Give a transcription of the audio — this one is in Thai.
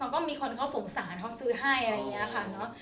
ก็มีคนเขาสงสารเขาซื้อให้อะไรอย่างนี้ค่ะเนอะ